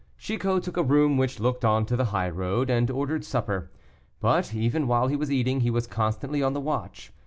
Chicot took a room which looked on to the high road, and ordered supper. But even while he was eating he was constantly on the watch.